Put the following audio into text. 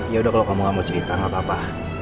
yaudah kalo kamu gak mau cerita gak apa apa